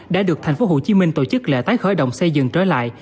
đã được thành phố hồ chí minh tổ chức lệ tái khởi động xây dựng trở lại